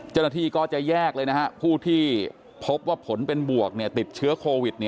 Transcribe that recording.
จนาทีก็จะแยกเลยผู้ที่พบว่าผลเป็นบวกติดเชื้อโควิด